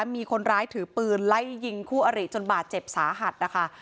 มีคนร้ายถือปืนไล่ยิงคู่อริจนบาดเจ็บสาหัสนะคะ